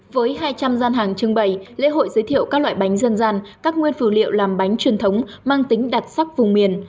với hai trăm linh gian hàng trưng bày lễ hội giới thiệu các loại bánh dân gian các nguyên phủ liệu làm bánh truyền thống mang tính đặc sắc vùng miền